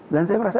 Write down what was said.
dan saya merasa